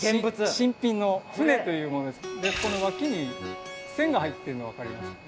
新品の舟というものですでこの脇に線が入ってるの分かりますかね？